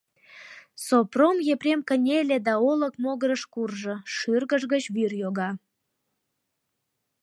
Сопром Епрем кынеле да олык могырыш куржо, шӱргыж гыч вӱр йога.